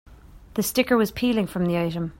The sticker was peeling from the item.